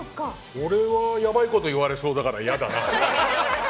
俺はやばいこと言われそうだから嫌だな。